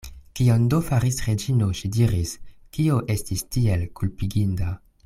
Kion do faris Reĝino, ŝi diris, kio estis tiel kulpiginda?